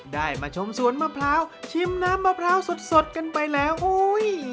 ได้มาชมสวนมะพร้าวชิมน้ำมะพร้าวสดกันไปแล้วอุ้ย